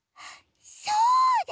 そうだ！